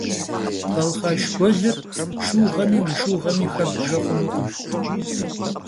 Balxaşş guelır şşıuğemi mışşıuğemi xebbjje xhunukhım.